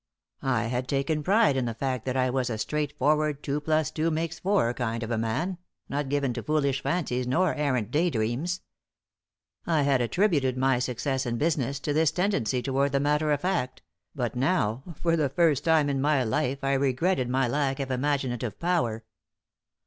I had taken pride in the fact that I was a straightforward, two plus two makes four kind of a man, not given to foolish fancies nor errant day dreams. I had attributed my success in business to this tendency toward the matter of fact, but now, for the first time in my life, I regretted my lack of imaginative power.